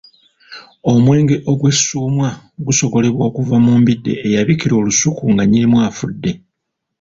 Omwenge ogwessuumwa gusogolebwa kuva mu mbidde eyabikira olusuku nga nnyinimu afudde.